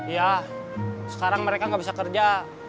ya sekarang mereka nggak bisa kerja